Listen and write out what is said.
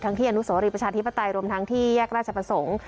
ที่อนุสวรีประชาธิปไตยรวมทั้งที่แยกราชประสงค์